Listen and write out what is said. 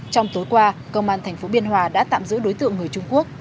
trong tối qua công an thành phố biên hòa đã tạm giữ đối tượng người trung quốc